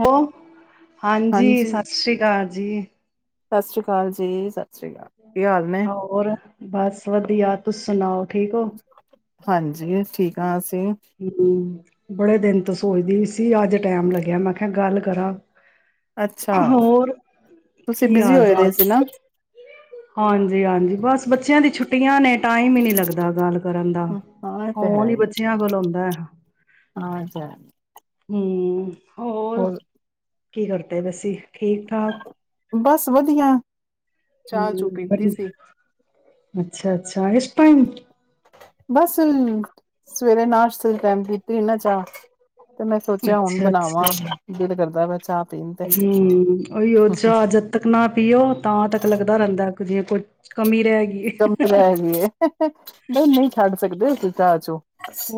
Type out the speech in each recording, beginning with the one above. ਹੈ ਹਾਂਜੀ, ਸਤਿ ਸ੍ਰੀ ਅਕਾਲ ਜੀ! ਸਤਿ ਸ੍ਰੀ ਅਕਾਲ ਜੀ, ਸ ਹੋਰ ਬਸ ਵਧੀਆ, ਤੁਸ ਸੁਣਾਓ ਠੀਕ ਹੋ? ਹਾਂਜੀ, ਠੀਕ ਆਂ ਅਸ ਹੰ ਬੜੇ ਦਿਨ ਤੋਂ ਸੋਚਦੀ ਵੀ ਸੀ ਅੱਜ ਟੈਮ ਲੱਗਿਐ ਮੈਂ ਕੇਹਾ ਗੱਲ ਕਰਾਂ ਅੱਛਾ! ਹੋਰ ਤੁਸੀਂ ਬਿਜ਼ੀ ਹੋਏ ਦੇ ਸੀ ਨਾ। ਹਾਂਜੀ-ਹਾਂਜੀ ਬਸ ਬੱਚਿਆਂ ਦੀ ਛੁੱਟੀਆਂ ਨੇ ਟਾਈਮ ਈ ਨੀ ਲੱਗਦਾ ਗੱਲ ਕਰਨ ਦਾ ਹਾਂ, ਇਹ ਤੇ ਫ਼ੋਨ ਹੈ ਈ ਹੀ। ਬੱਚਿਆਂ ਕੋਲ ਹੁੰਦੈ। ਹਾਂ ਏ ਤੇ ਹੈ ਹੂੰ ਹੋਰ ਕੀ ਕਰਦੇ ਪਏ ਸੀ? ਬਸ ਵਧੀਆ! ਹੰ ਚਾਹ ਚੂ ਬ ਪੀਤੀ ਸੀ। ਅੱਛਾ-ਅੱਛਾ! ਇਸ ਟਾਈਮ? ਬਾਸ ਹੁਨ ਸਵੇਰੇ ਨਾਸ਼ਤੇ ਦੇ ਟਾਈਮ ਪੀਤੀ ਨੀ ਨਾ ਚਾ ਤੇ ਮੈਂ ਸੋਚਿਆ ਹੁਨ ਅੱਛਾ ਬਨਾਵਾਂ, ਅੱਛਾ ਦਿਲ ਕਰਦਾ ਪੇਆ। ਹੂੰ, ਔਈਔ ਚਾਹ ਜਦ ਤੱਕ ਨਾ ਪੀਓ ਤਾਂ ਤੱਕ ਲੱਗਦਾ ਰਹਿੰਦੈ। [unintelligible] [unintelligible] ਵੀ ਹੈ ਨਈਂ-ਨਈਂ, ਛੱਡ ਸਕਦੇ ਤੁਸੀਂ ਚਾ ਚੂ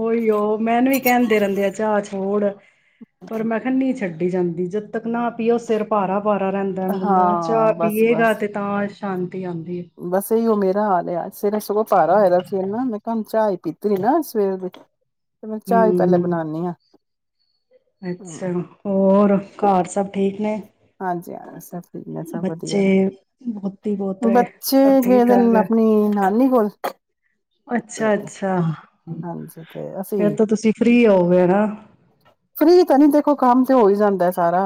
ਔਈਔ ਮੈਂਨੂੰ ਵੀ ਕੈਂਦੇ ਰੇਂਦੇ ਆ ਚਾਹ ਛੋੜ ਪਰ ਮੈਂ ਕਿਹਾ ਨਹੀਂ ਛੱਡ ਜਾਂਦੀ ਜਦ ਤੱਕ ਨਾ ਪੀਓ ਸੇਰ ਭਾਰਾ ਭਾਰਾ ਰੇਂਦੈ ਬੰਦਾ ਚਾਹ ਪੀਏਗਾ ਤੇ ਤਾਂ ਹਾਂ ਬਾਸ ਏਈਔ ਮੇਰ ਨਾ ਲਿਆ ਸਵੇਰੇ ਸਗੋਂ ਭਾਰਾ ਹੋਏ ਦਾ ਸਿਰ ਨਾ ਮੈਂ ਕਿਹਾ ਹੁਨ ਚਾ ਈ ਪੀਤੀ ਏ ਨਾ ਸਵੇਰ ਦੀ ਤੇ ਮੈਂ ਚਾਹ ਈ ਪੈਲੇ ਹੂੰ, ਬਨਾਨੀ ਆਂ ਅੱਛਾ ਹੋਰ ਘਰ ਸਭ ਠੀਕ ਨੇ ਹਾਂਜੀ ਹਾਂ ਸਭ ਠੀਕ ਨੇ ਸਭ ਬੱਚੇ, ਵਧੀਆ ਨੇ ਪੋਤੀ, ਪੋਤਰੇ ਬੱਚੇ ਸਭ ਗਏ ਠੀਕ ਦੇ ਠਾਕ ਨੇ ਹੈ? ਆਪਣੀ ਨਾਨੀ ਕੋਲ ਅੱਛਾ-ਅੱਛਾ। ਹਾਂਜੀ ਤੇ ਅਸੀਂ, ਹੋਗੇ ਨਾ ਫ੍ਰੀ ਤਾਂ ਨੀ ਦੇਖੋ ਕੰਮ ਤੇ ਔ ਹੋਈ ਜਾਂਦਾ ਏ ਸਾਰਾ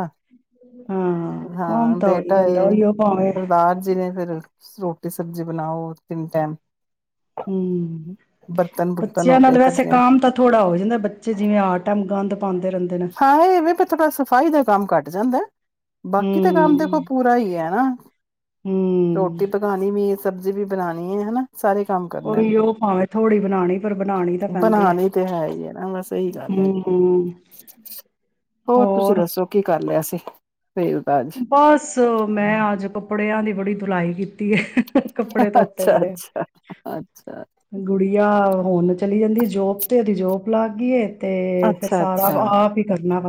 ਹਾਂ ਕੌਮ ਹਾਂ ਤਾਂ ਹੋ ਹੀ ਬੇਟਾ ਜਾਂਦਾ ਏ, ਉਹੀ ਉਹ ਭਾਵੇਂ ਸਰਦਾਰ ਜੀ ਨੇ ਫੇਰ। ਰੋਟੀ ਸਬਜੀ ਬਣਾਓ ਤਿੰਨ ਟੇਮ। ਹਮ ਬਰਤਨ ਬੂਰ ਬੱਚਿਆਂ ਨਾਲ ਵੈਸੇ ਕੰਮ ਤਾਂ ਥੋੜਾ ਹੋ ਜਾਂਦੇ। ਬੱਚੇ ਜਿਵੇਂ ਹਰ ਟੇਮ ਗੰਦ ਪਾਂਦ ਦਰ ਹਾਂ ਇਹ ਵੇ ਵੀ ਥੋੜਾ ਸਫ਼ਾਈ ਦਾ ਕੰਮ ਘੱਟ ਜਾਂਦਾ ਐ। ਬਾਕੀ ਤੇ ਕੰਮ ਹਮ ਦੇਖੋ ਪੂਰਾ ਈ ਐ ਨਾ। ਹਮ ਰੋਟੀ ਪਕਾਣੀ ਵੀ, ਸਬਜ਼ੀ ਵੀ ਬਨਾਨੀ ਏ ਹਨਾ ਸਾਰੇ ਕੰਮ ਕਰਨੇ ਨੇ। ਔਈਔ ਭਾਵੇਂ ਥੋੜੀ ਬਨਾਣੀ, ਪਰ ਬਨਾਣੀ ਤਾਂ ਪੈਂਦੀ ਏ। ਬਣਾਣੀ ਤੇ ਹੈ ਈ ਏ ਨਾ, ਬਸ ਇਹੀ ਗੱਲ ਹੈਗੀ ਏ। ਹੰ! ਹੋਰ ਤੁਸੀਂ ਦੱਸੋ ਕੀ ਕਰ ਲਿਆ ਸੀ। ਸਵੇਰ ਦਾ ਅੱਜ? ਬਾਸ, ਮੈਂ ਆਜ ਕੱਪੜਿਆਂ ਦੀ ਬੜੀ ਧੁਲਾਈ ਕੀਤ ਕਿਏ ਹ [unintelligible] ਕੱਪੜੇ ਧੋਤੇ ਬੜੇ, ਅੱਛਾ-ਅੱਛਾ, ਅੱਛਾ। ਗੁੜੀਆ ਔ ਫੋਨ ਚ ਚਲੀ ਜਾਂਦੀ ਐ ਜੋਬ ਤੇ ਔਦੀ ਜੋਬ ਲਾਗ ਗੀ ਏ ਤੇ ਫਿਰ ਸਾਰਾ ਅੱਛਾ-ਅੱਛਾ, ਆਪ ਈ ਕਰ ਨਾ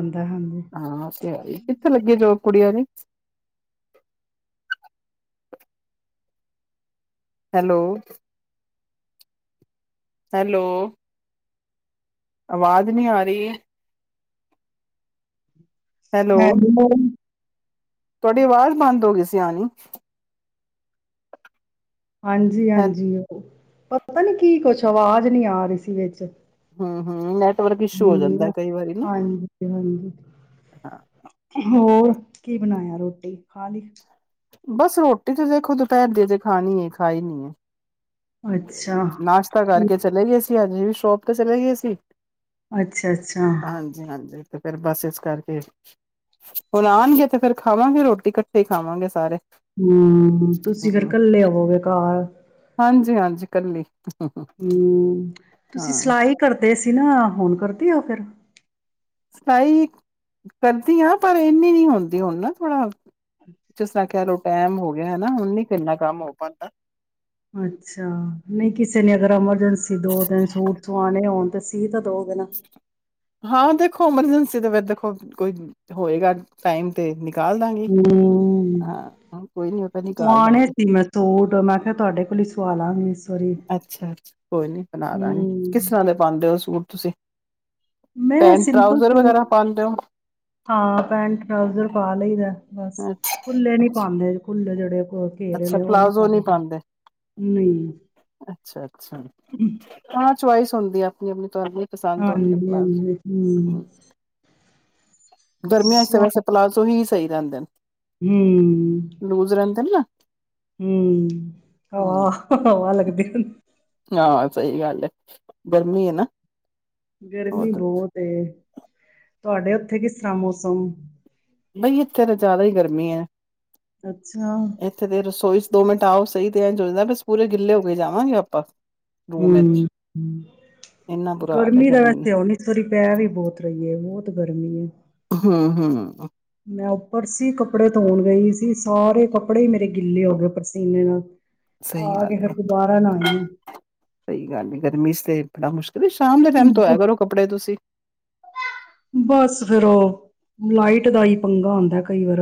ਹਾਂ ਔ ਤੇ ਹੈ ਈ, ਕਿੱਥੇ ਲੱਗੀ ਜੋਬ। ਕੁੜਿਆਂ ਦੀ। Hello hello! ਆਵਾਜ ਨੀਂ ਆ ਰੀ ਹੈਲੋ, ਤੁਆਡੀ ਆਵਾਜ਼ ਬੰਦ ਹੋ ਗਈ ਸੀ ਲਿਆਨੀ ਹੈਲ ਹਾਂਜੀ-ਹਾਂਜੀ, ਉਹ ਪਤਾ ਨੀ ਕੀ ਕੁਛ ਆਵਾਜ ਨੀ ਆ ਰੀ ਸੀ ਵਿੱਚ ਹੰ, ਹੰ ਨੈਟਵਰਕ ਇਸ਼ੂ ਹੋ ਜਾਂਦੈ ਕਈ ਵਾਰੀ ਨਾ ਅਤੇ ਹਾਂਜੀ [unintelligible] ਹਾਂ [inaudible] ਹੋਰ ਕੀ ਬਣਾਇਆ, ਰੋਟੀ ਖਾ ਲਈ? ਬਸ ਰੋਟੀ ਤੇ ਦੇਖੋ ਦੁਪੈਰ ਦੀ ਅਜੇ ਖਾਣੀ ਏ ਖਾਈ ਨੀਂ ਏ ਅੱਛਾ, ਨਾਸ਼ਤਾ ਕੀ ਕਰਕੇ ਚਲੇ ਗਏਸੀ। ਹਾਂਜੀ, ਸ਼ੋਪ ਤੇ ਚਲੇ ਗਏ ਅਸੀਂ। ਅੱਛਾ-ਅੱਛਾ। ਫਿਰ ਬਸ ਇਸ ਕਰਕੇ, ਹੁਣ ਆਉਣਗੇ ਤੇ ਫੇਿਰ ਖਾਵਾਂਗੇ ਰੋਟੀ ਇਕੱਠੇ ਖਾਵਾਂਗੇ ਸਾਰੇ। ਹੂੰ, ਤੁਸੀਂ ਫਿਰ ਕੱਲੇ ਹੌਵੇਗੇ ਘਰ। ਹਾਂਜੀ ਹਾਂ, ਹਾਂਜੀ ਇਕੱਲੀ। ਹੂੰ, ਤੁਸੀਂ ਸਿਲਾਈ ਕਰਦੇ ਸੀ ਨਾ ਹੁਣ ਕਰ ਵਧਿਆ ਫਿਰ ਸਲਾਈ ਕਰਦੀ ਹਾਂ, ਪਰ ਇਨੀ ਨੀ ਹੁੰਦੀ ਹੁਣ ਨਾ ਥੋੜਾ। ਜਿਸ ਨਾਲ ਕਹਿ ਲਓ, ਟੈਮ ਹੋ ਗਿਆ। ਹੈਨਾ, ਹੁਣ ਨੀ ਇੰਨਾ ਕੰਮ ਹੋ ਪੈਦਾ। ਅੱਛਾ, ਨਹੀਂ ਕਿਸੇ ਨੇ ਅਗਰ ਐਮਰਜੈਂਸੀ ਦੋ-ਤਿੰਨ ਸੂਟ ਸਵਾਣੇ ਹੋਣ ਤੇ ਸੀ ਤਾਂ ਦੋਗੇ ਨਾ ਹਾਂ ਤੇ ਦੇਖੋ, ਐਮਰਜੈਂਸੀ ਦੇ ਦੇਖੋ ਕੋਈ ਹੋਏਗਾ, ਟਾਈਮ ਤੇ ਕਰ ਦਾਗੀ। ਹੂੰ। ਹਾ। ਸਵਾਣੇ ਸੀ, ਮੈਂ ਸੂਟ ਮੈਂ ਕਿਹਾ, ਤੁਹਾਡੇ ਕੋਲ ਹੀ ਸਵਾ ਲਾਂਗੀ। ਵਾਰੀ ਅੱਛਾ-ਅਛਾ ਕੋਈ ਨੀ ਬਣਾ ਦਾਗੇ, ਕਿਸ ਹੂੰ ਤਰ੍ਹਾਂ ਦੇ ਪਾਉਂਦੇ ਹੋ ਸੂਟ ਤੁਸੀਂ? ਮੈਂ ਪੈਂਟ ਸਿੰਪਲ ਟਰਾਊਜ਼ਰ ਸੂਟ, ਵਗੈਰਾ ਪਾਉਂਦੇ ਹੋ ਹਾਂ ਪੈਂਟ ਟਰਾਊਜ਼ਰ ਪਾ ਲਈਦਾ। ਬਸ ਖੁੱਲੇ ਨੀ ਪਾਉਂਦੇ, ਖੁੱਲੇ ਜਿਹੜੇ ਘੇਰੇ ਅੱਛਾ ਵਾਲੇ ਉਹ ਨੀ ਪਲਾਜ਼ੋ ਨਹੀਂ ਪਾਏਗੀ ਨਹੀਂ। ਅਛ ਅੱਛਾ ਜੀ, ਅਛ ਚੁਆਇਸ ਹੁੰਦੀ ਆ ਆਪਣੀ-ਆਪਣੀ ਤੁਹਾਣੀ ਹਾਂਜੀ-ਹਾਂਜੀ ਹੂੰ ਗਰਮੀਆਂ ਚ ਸਵਾ ਵੈਸੇ ਪਲਾਜੋ ਹੀ ਸਹੀ ਰਹਿੰਦੇ ਨੇ। ਹੂੰ। ਲੂਜ ਰਹਿੰਦੇ ਨੇ ਨਾ ਹੂੰ, ਹਾਂ ਹੂੰ ਹਵਾ ਲੱਗਦੀ ਹ ਹਾਂ ਸਹੀ ਗੱਲ ਹੈ, ਗਰਮੀ ਹੈ ਨਾ। ਗਰਮੀ ਹੋਰ ਬਹੁਤ ਹੇ। ਤੁਹਾਡੇ ਉੱਥੇ ਕਿਸ ਤਰ੍ਹਾਂ ਮੌਸਮ? ਬਈ, ਇੱਥੇ ਤਾਂ ਜ਼ਿਆਦਾ ਹੀ ਗਰਮੀ ਹੈ। ਅੱਛਾ ਰਸੋਈ ਚ ਦੋ ਮਿੰਟ ਆਓ ਸਹੀ ਤੇ ਚੁਜਦਾ ਬਸ ਪੂਰੇ ਗਿੱਲੇ ਹੋ ਕੇ ਜਾਵਾਂਗੇ ਆਪਾਂ ਹੂ ਰੂਮ ਵਿੱਚ ਇੰਨਾ ਬੁਰਾ ਹਾਲ ਐ ਗਰਮੀ ਦਾ ਨੇ ਵੈਸੇ ਉਹ ਨ ਸਰੀ ਪੈ ਵੀ ਬਹੁਤ ਰਹੀ ਹੈ ਬਹੁਤ ਗਰਮੀ ਹੈ ਹੂ ਹੂ ਹੂ ਮੈਂ ਉੱਪਰ ਸੀ ਕੱਪੜੇ ਧੋਣ ਗਈ ਸੀ ਸਾਰੇ ਕੱਪੜੇ ਹੀ ਮੇਰੇ ਗਿੱਲੇ ਹੋ ਗਏ ਪਸੀਨੇ ਨਾਲ ਸਹੀ ਆ ਗੱਲ ਕੇ ਫਿਰ ਹੈ ਦੁਬਾਰਾ ਨਹਾਈ ਆ। ਸਹੀ ਗੱਲ ਨ ਗਰਮੀ ਚ ਤੇ ਬੜਾ ਮੁਸ਼ਕਿਲ ਤੇ ਸ਼ਾਮ ਦੇ ਟਾਈਮ ਤੋਂ ਥੋਆ ਕਰੋ ਕੱਪੜੇ ਤੁਸੀਂ ਫਿਰ ਉਹ ਲਾਈਟ ਦਾ ਹੀ ਪੰਗਾ ਹੁੰਦਾ ਕਈ ਵਾਰ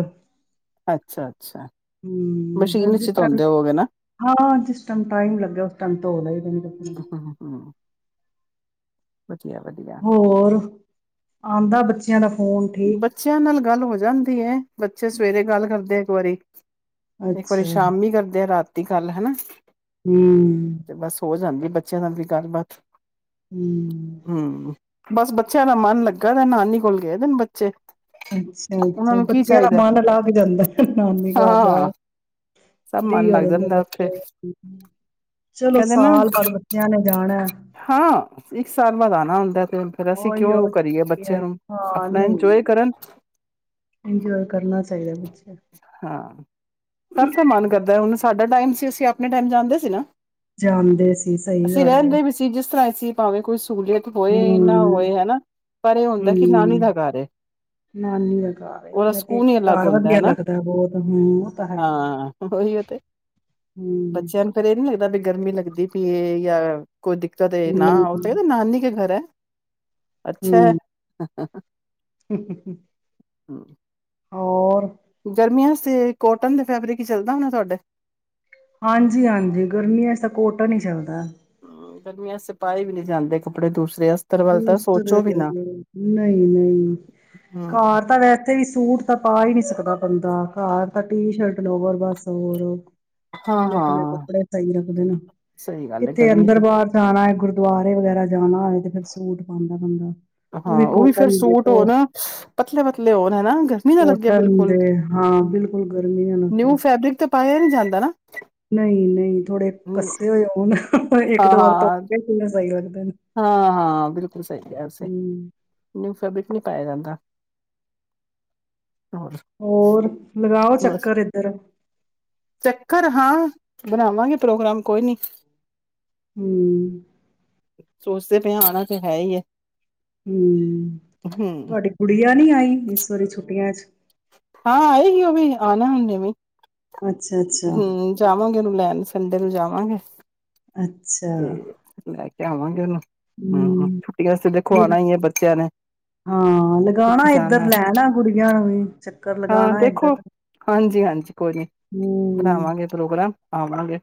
ਅੱਛਾ-ਅੱਛਾ ਹੂ ਮਸ਼ੀਨ ਜਿਸ ਚ ਟਾਈਮ ਧੋਂਦੇ ਹੋਵੋਗੇ ਨਾ ਹਾਂ ਜਿਸ ਟਾਈਮ ਟਾਈਮ ਲੱਗਿਆ ਉਸ ਟਮ ਧੋਦਾ ਹੀ ਹੂੰ-ਹੂੰ ਵਧੀਆ-ਵਧੀਆ ਹੋਰ ਆਉਂਦਾ ਬੱਚਾ ਯ [unintelligible] ਬੱਚਿਆਂ ਨਾਲ ਗੱਲ ਹੋ ਜਾਂਦੀ ਹੈ ਬੱਚੇ ਸਵੇਰੇ ਗੱਲ ਕਰਦੇ ਹੈ ਸੋਰੀ ਇੱਕ ਵਾਰੀ ਅੱਛਾ ਸ਼ਾਮੀ ਕਰਦੇ ਐ ਰਾਤ ਠੀਕ ਗੱਲ ਹੈਨਾ ਹੂੰ। ਤੇ ਬਸ ਹੋ ਜਾਂਦੀ ਬੱਚ ਚੈਨਲ ਦੀ ਗੱਲਬਾਤ ਹੂ ਹਮ ਬਸ ਬੱਚਿਆਂ ਦਾ ਮਨ ਲੱਗਾ ਦਾ, ਨਾਨੀ ਕੋਲ ਗਏ ਅੱਛਾ [unintelligible] ਅੱਛਾ ਅੱਛਾ ਬੱਚਿਆਂ ਦਾ ਮਨ ਲੱਗ ਜਾਂਦਾ ਨਾਨੀ ਘਰ ਹਾਂ ਜਾਗ ਸਭ ਫ੍ਰੀ ਮਨ ਹੋ ਲੱਗ ਜਾਂਦੇ ਜਾਂਦਾ ਉੱਥੇ ਬੱਚੇ ਚਲੋ ਕਹਿੰਦੇ ਨਾ ਸਾਲ ਬਾਅਦ ਬੱਚਿਆਂ ਨੇ ਜਾਣਾ ਹਾਂ ਇੱਕ ਸਾਲ ਬਾਅਦ ਆਉਣਾ ਹੁੰਦਾ ਤੇ ਫਿਰ ਅਸੀਂ ਉਹੀ ਕਿਉਂ ਉਹ ਕਰੀਏ ਛੁੱਟੀਆਂ। ਬੱਚਿਆਂ ਨੂੰ ਹਾਂ ਆਪਣਾ ਨਹੀਂ ਇੰਜੋਏ ਨਹੀਂ ਕਰਨ ਇੰਜੋਏ ਕਰਨਾ ਚਾਹੀਦਾ ਬੱਚੇ ਹਾਂ ਸਭ ਤੇ ਮਨ ਕਰਦਾ ਹੁਣ ਸਾਡਾ ਟਾਈਮ ਸੀ ਅਸੀਂ ਆਪਣੇ ਟਾਈਮ ਜਾਂਦੇ ਸੀ ਨਾ ਜਾਣ ਦੇ ਸੀ ਸਹੀ ਗੱਲ ਤੁਸੀਂ ਭਾਵੇਂ ਕੁਛ ਸਹੂਲੀਅਤ ਹੋਏ ਨਾ ਹਮ ਹੋਏ ਹਨਾ ਪਰ ਇਹ ਹੁੰਦਾ ਕਿ ਨਾਨੀ ਦਾ ਹਮ ਘਰ ਹੈ ਨਾਨੀ ਦਾ ਘਰ ਏ ਉਹਦਾ ਆਪਣੇ ਸਕੂਨ ਹੀ ਪੇਕੇ ਅਲੱਗ ਘਰ ਹੁੰਦਾ ਵਧੀਆ ਹਨਾ ਲੱਗਦਾ ਬਹੁਤ ਹਮ ਉਹ ਤਾਂ ਹੈ ਹੀ ਹਾਂ ਉਹੀ ਉਹ ਤੇ ਹਮ ਬੱਚਿਆਂ ਨੂੰ ਫਿਰ ਏਹ ਕਿਦਾਂ ਦੀ ਗਰਮੀ ਲੱਗਦੀ ਪੀਏ ਜਾਂ ਕੋਈ ਦਿੱਕਤ ਐ, ਨਾ ਔ ਹਮ ਉਹ ਨਾਨੀ ਕੇ ਘਰ ਹੈ। ਅੱਛਾ ਹੈ। ਹਮ [unintelligible] [unintelligible] ਹੋਰ, ਗਰਮੀਆਂ ਚ ਤੇ ਕੋਟਨ ਦੇ ਫੈਬਰਿਕ ਹੀ ਚੱਲਦਾ ਹੋਣਾ ਤੁਹਾਡੇ ਹਾਂਜੀ-ਹਾਂਜੀ, ਗਰਮੀਆਂ ਇਸ ਤਾਂ ਕੋਟਨ ਹੀ ਚੱਲਦਾ। ਹੂੰ, ਗਰਮੀਆਂ ਚ ਪਾਏ ਵੀ ਨੀ ਜਾਂਦੇ ਕੱਪੜੇ ਦੂਸਰੇ ਅਸਤਰ ਵੱਲ ਤਾਂ ਦੂਸਰੇ ਸੋਚੋ ਵੀ ਨਾ। ਨਹੀਂ-ਨਹੀਂ ਹੂੰ ਘਰ ਤਾਂ ਵੈਸੇ ਵੀ। ਸੂਟ ਤਾਂ ਪਾ ਹੀ ਨੀ ਸਕਦਾ ਬੰਦਾ ਘਰ ਤਾਂ ਟੀ ਸ਼ਰਟ ਲੋਵੇਰ ਬਸ ਹੋਰ ਹਾਂ ਖੁੱਲੇ-ਖੁੱਲੇ, ਹਾਂ ਕੱਪੜੇ ਸਹੀ ਰੱਖਦੇ ਨੇ ਸਹੀ ਗੱਲ ਹੈ ਕਿੱਥੇ ਗਰਮੀ ਚ ਅੰਦਰ ਬਾਹਰ ਜਾਣਾ ਹੈ, ਗੁ ਗੁਰੁਦਆਰੇ ਵਗੈਰਾ ਜਾਣਾ ਹੋਵੇ ਤੇ, ਫਿਰ ਸੂਟ ਪਾਦਾ ਬੰਦਾ ਹਾਂ ਉਹ ਵੀ ਫੇਰ ਸੂਟ ਹੋ ਨਾ ਪਤਲੇ-ਪਤਲੇ ਹੋਣ ਹਨਾ, ਗਰਮੀ ਨਾ ਲੱਗਿਆ ਕੋਟਨ ਦੇ ਬਿਲਕੁਲ ਹਾਂ ਬਿਲਕੁਲ ਗਰਮੀ ਨਿਊ ਫੈਬਰਿਕ ਤੇ ਪਾਇਆ ਨੀ ਜਾਂਦਾ ਨਾ ਨਹੀਂ-ਨਹੀਂ, ਥੋੜੇ ਕੱਸੇ ਹੋਏ ਹੋਣ ਇੱਕ ਦੋ ਵਾਰ ਹਾਂ-ਹਾਂ, ਧੋਤੇ ਸਹੀ ਲੱਗਦੇ ਨੇ, ਹਾਂ-ਹਾਂ ਬਿਲਕੁਲ ਸਹੀ ਕਿਹਾ ਤੁਸੀਂ ਹਮ ਨਿਊ ਫੈਬਰਿਕ ਨਹੀ ਪਾਇਆ ਜਾਂਦਾ। ਹੋਰ ਹੋਰ ਲਗਾਓ ਬਸ ਚੱਕਰ ਇੱਧਰ, ਚੱਕਰ ਹਾਂ ਬਣਾਵਾਂਗੇ ਪ੍ਰੋਗਰਾਮ ਕੋਈ ਨੀ, ਹੂੰ, ਸੋਚਦੇ ਪਏ ਆਣਾ ਤਾਂ ਹੈ ਹੀ ਹੈ। ਹੂੰ, ਹੂੰ ਤੁਹਾਡੀ ਗੁਡੀਆਂ ਨੀ ਆਈ। ਇਸ ਵਾਰੀ ਦੀ ਛੁਟੀਆਂ ਚ ਹਾਂ ਆਏ ਸੀ, ਉਹ ਵੀ ਆਣਾ ਹੁਣ ਵੀ ਅੱਛਾ-ਅੱਛਾ, ਹੂੰ, ਜਾਵਾਂਗੇ ਉਹਨੂੰ ਲੈਣ ਸੰਡੇ ਨੂੰ ਜਾਵਾਂਗੇ। [unintelligible] ਅੱਛਾ, ਲੈ ਤੇ ਕੇ ਆਵਾਂਗੇ ਉਹਨੂੰ ਹੂੰ, ਛੁੱਟੀਆਂ ਚ ਦੇਖੋ ਆਣਾ ਹੀ ਹੈ ਬੱਚਿਆਂ ਨੇ ਹਾਂ ਲਗਾਣਾ ਕਿੱਥੇ ਇੱਧਰ ਜਾਣਾ ਲੈਣਾ ਗੁਡੀਆਂ ਨੂੰ ਵੀ। ਚੱਕਰ ਹਾਂ ਲਗਾਣਾ ਇੱਧਰ ਦੇਖੋ, ਹਾਂਜੀ-ਹਾਂਜੀ ਕੋਈ ਨੀ ਹੂੰ, ਬਣਾਵਾਂਗੇ ਪ੍ਰੋਗਰਾਮ ਆਵਾਂਗੇ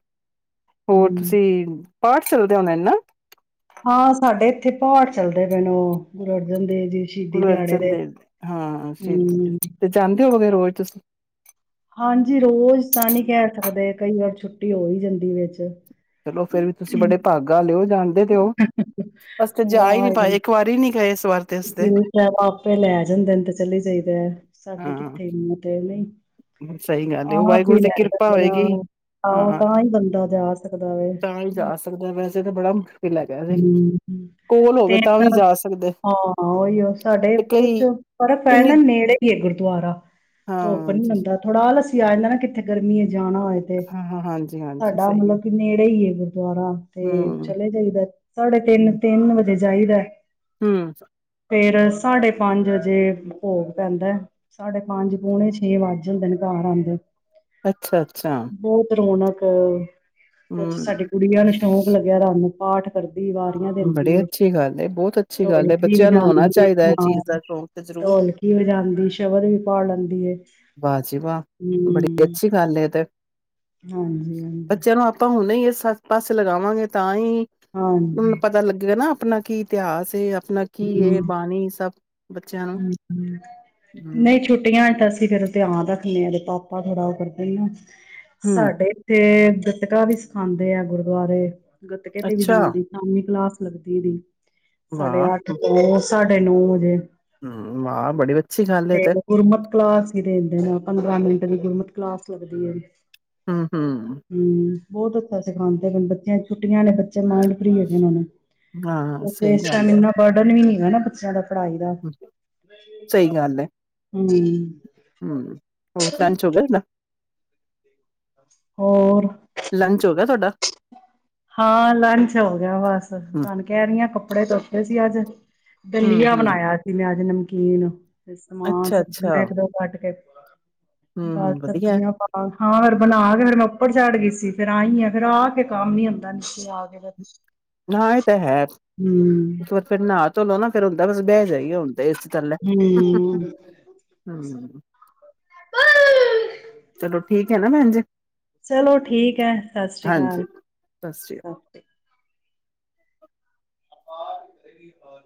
ਹੋਰ ਹੂੰ ਤੁਸੀਂ ਪਾਠ ਚੱਲਦੇ ਹੁੰਦੇ ਨੇ ਨਾ, ਹਾਂ ਸਾਡੇ ਇੱਥੇ ਪਾਠ ਚੱਲਦੇ ਪੈਯੇ ਨੇ, ਗੁਰੂ ਅਰਜਨ ਦੇਵ ਜੀ ਸ਼ਹੀਦੀ ਗੁਰੂ ਦਿਹਾੜੇ ਅਰਜਨ ਦੇਵ ਦੇ ਹਾਂ ਸ਼ਹੀਦੀ, ਹੂੰ, ਤੇ ਜਾਂਦੇ ਹੋਗੇ। ਰੋਜ ਤੁਸੀ, ਹਾਂਜੀ ਰੋਜ਼ ਤਾਂ ਨਹੀਂ ਕਹਿ ਸਕਦੇ ਕਈ ਵਾਰ ਛੁੱਟੀ ਹੋ ਹੀ ਜਾਂਦੀ ਵਿੱਚ। ਚਲੋ ਫੇਰ ਵੀ ਤੁਸੀਂ ਬੜੇ ਭਾਗਾ ਆਲੇ ਔ ਜਾਣ ਅਸ ਤੇ ਜਾ ਈ ਨੀਂ ਵਾਹਿਗੁਰੂ ਪਾਏ, ਇੱਕ ਵਾਰੀ ਨੀ ਗਏ ਇਸ ਵਾਰ ਤੇ ਅਸੀ ਤੇ ਆਪੇ ਲੈ ਜਾਂਦੇ ਨੇ ਤੇ ਚਲੀ ਜਾਈਦੈ। ਸਾਡੀ ਹਾਂ ਕਿੱਥੇ ਏਨੀ ਹਿਮਤ ਹੇ। ਨਈਂ, ਸਹੀ ਗੱਲ ਏ, ਉਹ ਆਪ ਵਾਹਿਗੁਰੂ ਈ ਦੀ ਲੈ ਕਿਰਪਾ ਜਾਂਦੇ ਹੋਏਗੀ ਨੇ ਆਹੋ ਹਾਂ ਤਾਂ ਹੀ ਬੰਦਾ ਜਾ ਸਕਦਾ ਤਾਂ ਈ ਜਾ ਸਕਦਾ ਵੈਸ ਏ ਤੇ ਬੜਾ ਹੈਗਾ ਸੀ ਹੂੰ ਹੂੰ, ਕੋਲ ਹੋਵੇ ਤੇ ਤਾਂ ਵੀ ਨੀ ਨਾ ਜਾ ਸਕਦੇ ਹਾਂ ਔਈਔ ਸਾਡੇ ਤੇ ਕੁਛ ਕਈ ਫਰਕ ਪੈ ਇੰਨੀ ਜਾਂਦਾ ਨੇੜੇ ਹੀ ਏ ਗੁਰਦੁਆਰਾ ਧੁੱਪ ਨੀ ਹਾਂ ਬੰਦਾ ਥੋੜਾ ਆਲਸ ਆ ਜਾਂਦਾ ਨਾ ਕਿੱਥੇ ਗਰਮੀ ਏ ਜਾਣਾ ਹੋਏ ਤੇ, ਹਾਂ ਹਾਂ ਹਾਂਜੀ ਹਾਂਜੀ ਸਾਡਾ ਸਹੀ ਹੈ ਮਤਲਬ ਕਿ ਨੇੜੇ ਈ ਏ ਗੁਰ ਗੁਰਦਵਾਰਾ ਤੇ ਹਮ ਚਲੇ ਜਾਈਦਾ ਸਾਡੇ ਤਿੰਨ, ਤਿੰਨ ਬ ਜੇ ਚਾਈਦੈ ਹੰ ਫੇਰ ਸਾਡੇ ਪੰਜ ਅਜੇ ਭੋਗ ਪੈਂਦੈ ਸਾਡੇ ਪੰਜ ਪੋਣੇ ਛੇ ਵੱਜ ਜਾਂਦੇ ਨੇ ਘਰ ਆਂਦੇ। ਅੱਛਾ-ਅੱਛਾ! ਹੰ ਕੁਛ ਸਾਡੀ ਹੂੰ, ਗੁੜੀਆ ਨੂੰ ਸ਼ੌਕ ਲੱਗਿਦਾ ਹੂਣ ਪਾਠ ਕਰਦੀ ਵਾਰੀਆਂ ਬੜੀ ਦਿੰਦੀ, ਅੱਛੀ ਗੱਲ ਏ, ਬਹੁਤ ਅੱਛੀ ਗੱਲ ਏ, ਢੋਲਕੀ ਬੱਚਿਆਂ ਨੂੰ ਹੋਣਾ ਵਜਦੀ ਚਾਹੀਦਾ ਐ ਹਾਂ, ਚੀਜ਼ ਦਾ ਸ਼ੌਕ ਤੇ ਜ਼ਰੂਰ, ਢੋਲਕੀ ਵਜਾਦੀ, ਸ਼ਬਦ ਵੀ ਪਾ ਲੈਂਦੀ ਹੈ ਵਾਹ ਜੀ ਵਾਹ! ਬੜੀ ਹਮ [inaudible] ਅੱਛੀ ਗੱਲ ਏ ਤੇ, [unintelligible] ਬੱਚਿਆਂ ਨੂੰ ਆਪਾਂ ਹੁਣੇ ਇਸ ਸਬ ਪਾਸੇ ਲਗਾਵਾਂਗੇ ਤਾਂ ਹੀ ਹਾਂ ਮੈਨੂੰ ਪਤਾ ਲੱਗੇਗਾ ਨਾ ਆਪਣਾ ਕੀ ਇਤਿਹਾਸ ਏ ਕੀ ਹੂੰ ਇਹ ਬਾਣੀ ਸਭ ਬੱਚਿਆਂ ਨੂੰ ਹੂੰ ਹੂੰ ਹਮ ਤੇ ਫੇਰ ਏ ਧਿਆਨ ਰੱਖਨੇ ਆ ਤੇ ਪਾਪਾ ਥੋੜਾ ਉਹ ਕਰਦੇ ਨੇ ਨਾ ਹੂੰ, ਸਾਡੇ ਇੱਥੇ ਗਤਕਾ ਵੀ ਸਿਖਾਉਦੇ ਆ ਗੁਰਦੁਆਰੇ ਗੱਤਕੇ ਤੇ ਵੀ ਅੱਛਾ, ਜਾਂਦੀ ਸ਼ਾਮੀਂ ਕਲਾਸ ਲੱਗਦੀ ਦੀ ਵਾਹ [unintelligible] ਸਾਢੇ ਨੌ ਵਜੇ ਹੂੰ, ਵਾਹ! ਬੜੀ ਅੱਛੀ ਗੱਲ ਏ ਤੇ ਗੁਰਮਤਿ ਕਲਾਸ ਹੀ ਦਿੰਦੇ ਨੇ ਪੰਦਰਾਂ ਮਿੰਟ ਦੀ ਗੁਰਮਤਿ ਕਲਾਸ ਲੱਗਦੀ ਹੈ ਹਮ ਹਮ ਹਮ ਬਹੁਤ ਅੱਛਾ ਸਿਖਾਉਂਦੇ ਬੱਚਿਆਂ ਨੂੰ ਛੁੱਟੀਆਂ ਨੇ ਬੱਚੇ ਨਾਲੇ ਫ੍ਰੀ ਹੋ ਜਾਂਦੇ ਨੇ ਹਾਂ ਸਹੀ ਗੱਲ ਹੈ ਪੜਨ ਵੀ ਨੀ ਹੈ ਨਾ ਬੱਚਿਆਂ ਦਾ ਪੜ੍ਹਾਈ ਦਾ ਸਹੀ ਗੱਲ ਹੈ ਹਮ ਹਮ ਹੋਰ ਲੰਚ ਹੋ ਗਿਆ ਨਾ ਹੋਰ ਲੰਚ ਹੋ ਗਿਆ ਤੁਹਾਡਾ? ਹਾਂ ਲੰਚ ਹੋ ਗਿਆ ਬਸ ਹੂੰ, ਤੁਹਾਨੂੰ ਕਹਿ ਰਹੀ ਹ ਕੱ ਕੱਪੜੇ ਧੋਤੇ ਸੀ ਅੱਜ ਹੂੰ, ਦਲੀਆ ਹੂੰ। ਬਣਾਇਆ ਸੀ ਮੈਂ ਅੱਜ ਨ ਕੀਨ ਤੇ ਸਮਾਨ ਸਬਜ਼ੀਆਂ ਅੱਛਾ-ਅੱਛਾ, ਇੱਕ ਦੋ ਕੱਟ ਕੇ ਬਸ ਹੂੰ-ਹੂੰ ਵਧੀਆ ਸਬਜ਼ੀਆਂ ਪਾ ਹਾਂ ਫੇਰ ਬਣਾ ਕੇ ਫੇਰ ਮੈਂ ਉੱਪਰ ਚਾੜ ਗਈ ਸੀ ਫਿਰ ਆਹੀ ਆ ਫਿਰ ਆਹ ਕੇ ਕੰਮ ਨੀ ਹੁੰਦਾ ਲਚ ਚ ਆ ਗਏ ਬੱਚੇ ਹਾਂ ਇਹ ਤਾਂ ਹੈ ਇੱਕ ਵਾਰ ਫਿਰ ਨਾ ਧੋ ਲਓ ਨਾ ਫਿਰ ਹੁੰਦਾ ਬਸ ਬਹਿ ਜਾਈਏ ਹੁਣ ਤੇ ਏਸੀ ਥੱਲੇ ਹਾ ਹਾ ਹੂੰ, ਹਮ ਚਲੋ ਠੀਕ ਹੈ ਨਾ ਭੈਣ ਜੀ ਚਲੋ ਠੀਕ ਹੈ ਸਤਿ ਸ੍ਰੀ ਹਾਂਜੀ ਅਕਾਲ ਸ੍ਰੀ ਸਤਿ ਸ੍ਰੀ [unintelligible]